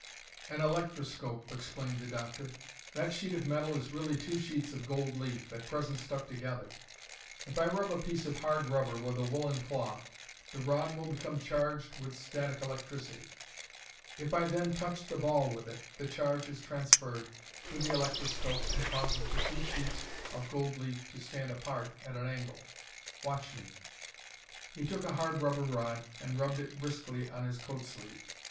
"An electroscope," explained the doctor. "That sheet of metal is really two sheets of gold leaf, at present stuck together. If I rub a piece of hard rubber with a woolen cloth, the rod will become charged with static electricity. If I then touch the ball with it, the charge is transferred to the electroscope and causes the two sheets of gold leaf to stand apart at an angle. Watch me." He took a hard rubber rod and rubbed it briskly on his coat sleeve.